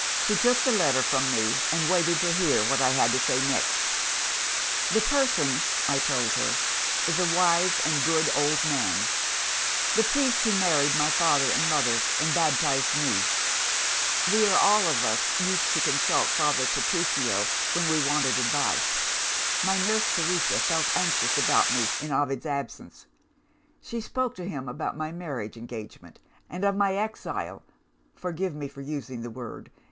She took the letter from me, and waited to hear what I had to say next. 'The person,' I told her, 'is a wise and good old man the priest who married my father and mother, and baptised me. We all of us used to consult Father Patrizio, when we wanted advice. My nurse Teresa felt anxious about me in Ovid's absence; she spoke to him about my marriage engagement, and of my exile forgive me for using the word!